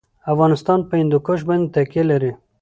افغانستان په هندوکش باندې تکیه لري.